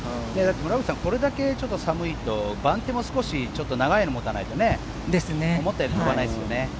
村口さん、これだけ寒いと番手も少し長いのを持たないとね思ったより飛ばないですね。